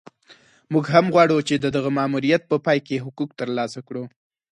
موږ هم غواړو چې د دغه ماموریت په پای کې حقوق ترلاسه کړو.